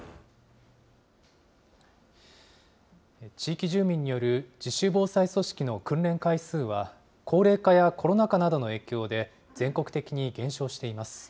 地域住民による自主防災組織の訓練回数は、高齢化やコロナ禍などの影響で、全国的に減少しています。